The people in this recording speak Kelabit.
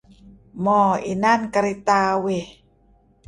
Mo inan kereta awih.